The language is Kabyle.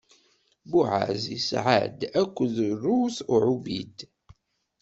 Buɛaz isɛa-d akked Rut Ɛubid.